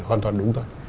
hoàn toàn đúng thôi